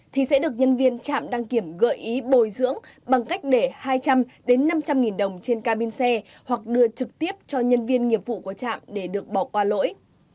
thì sẽ được nhân viên trạm đăng kiểm gợi ý bồi dưỡng bằng cách để hai trăm linh đến năm trăm linh nghìn đồng trên cabin xe hoặc đưa trực tiếp cho nhân viên nghiệp vụ của trạm để được bỏ qua lỗi